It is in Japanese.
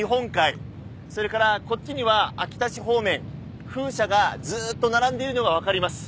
それからこっちには秋田市方面風車がずーっと並んでいるのがわかります。